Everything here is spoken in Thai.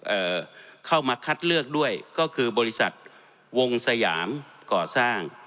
เอ่อเข้ามาคัดเลือกด้วยก็คือบริษัทวงสยามก่อสร้าง